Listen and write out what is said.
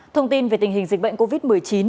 thông tin về tình hình dịch bệnh covid một mươi chín